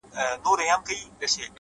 په دې خپه يم چي له نومه چي پېغور غورځي”